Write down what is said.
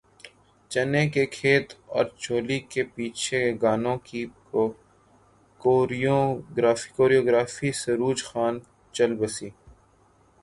چنے کے کھیت اور چولی کے پیچھے گانوں کی کوریوگرافر سروج خان چل بسیں